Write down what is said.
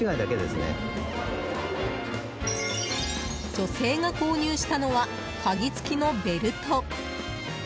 女性が購入したのは鍵付きのベルト。